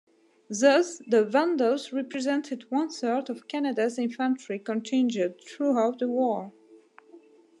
Thus the "Van Doos" represented one-third of Canada's infantry contingent throughout the war.